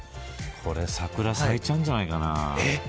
これ桜咲いちゃうんじゃないかな。